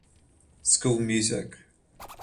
School music.